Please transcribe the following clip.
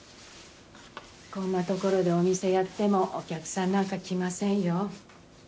こんな所でお店やってもお客さんなんか来ませんよ。